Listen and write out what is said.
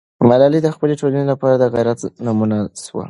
ملالۍ د خپلې ټولنې لپاره د غیرت نمونه سوه.